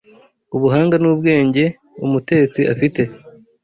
ubuhanga n’ubwenge umutetsi afite.